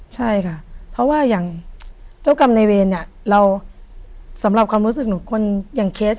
ใช่ค่ะเพราะว่าอย่างเจ้ากรรมในเวรเนี่ยเราสำหรับความรู้สึกหนูคนอย่างเคส